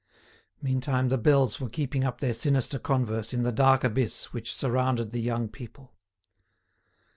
Meantime the bells were keeping up their sinister converse in the dark abyss which surrounded the young people.